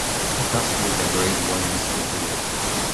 The castle is a Grade One listed building.